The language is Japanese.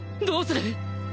どうする！？